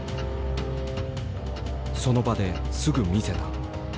その場ですぐ見せた。